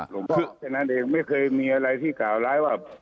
แค่นั้นเองไม่เคยมีอะไรที่กล่าวร้ายว่า